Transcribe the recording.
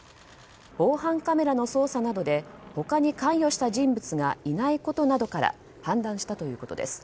防犯カメラの捜査などで他に関与した人物がいないことなどから判断したということです。